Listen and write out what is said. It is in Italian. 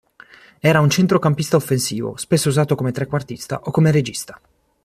Era un centrocampista offensivo, spesso usato come trequartista o come regista.